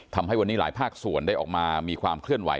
ทำให้วันนี้หลายภาคส่วนได้ออกมามีความเคลื่อนไห